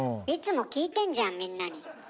いつも聞いてんじゃんみんなに。